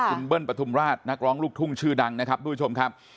คุณเบิ้ลปฐุมราชนักร้องลูกทุ่งชื่อดังนะครับทุกผู้ชมครับ